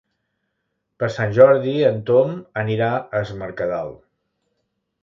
Per Sant Jordi en Tom anirà a Es Mercadal.